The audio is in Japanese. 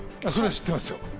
それは知ってますよ。